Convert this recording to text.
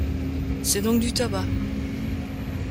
C’est donc du tabac ?